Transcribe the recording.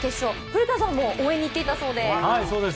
古田さんも応援に行っていたそうで。